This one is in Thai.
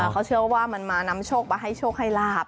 เขาเชื่อว่ามันมานำโชคมาให้โชคให้ลาบ